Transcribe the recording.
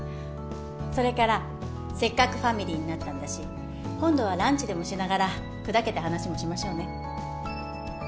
それからせっかくファミリーになったんだし今度はランチでもしながらくだけた話もしましょうね